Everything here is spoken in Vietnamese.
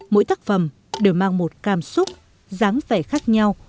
mỗi tác phẩm đều mang một cảm xúc dáng vẻ khác nhau